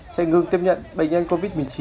sẽ ngừng tiếp nhận bệnh nhân covid một mươi chín